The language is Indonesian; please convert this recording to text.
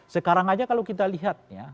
sekarang aja kalau kita lihat ya